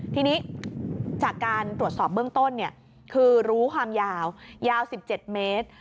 ทีนี้จากการตรวจสอบเบื้องต้นคือรู้ความยาวยาว๑๗เมตร